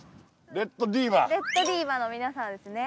レッドディーバの皆さんですね。